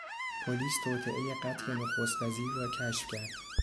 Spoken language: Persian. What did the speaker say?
پلیس توطئهی قتل نخست وزیر را کشف کرد.